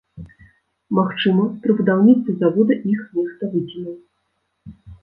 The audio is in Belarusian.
Магчыма, пры будаўніцтве завода іх нехта выкінуў.